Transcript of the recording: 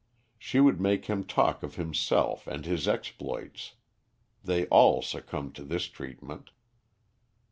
She would make him talk of himself and his exploits. They all succumbed to this treatment.